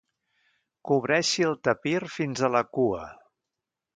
Cobreixi el tapir fins a la cua.